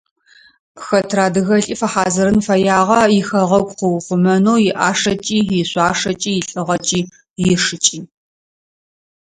Хэтрэ адыгэлӀи фэхьазырын фэягъэ ихэгъэгу къыухъумэнэу иӀашэкӀи, ишъуашэкӀи, илӀыгъэкӀи, ишыкӀи.